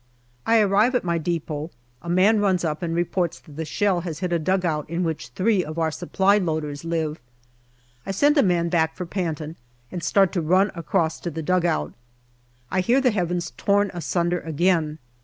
I arrive at my depot ; a man runs up and reports that the shell has hit a dugout in which three of our supply loaders live. I send a man back for Panton, and start to run across to the dugout. I hear the heavens torn asunder again.